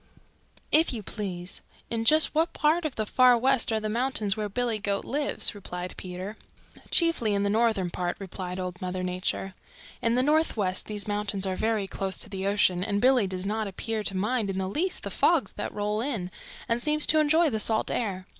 "If you please, in just what part of the Far West are the mountains where Billy Goat lives?" replied Peter. "Chiefly in the northern part," replied Old Mother Nature. "In the Northwest these mountains are very close to the ocean and Billy does not appear to mind in the least the fogs that roll in, and seems to enjoy the salt air.